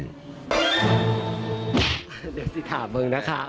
เดี๋ยวสิถามมึงนะคะ